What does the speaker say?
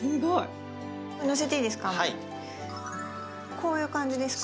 こういう感じですか？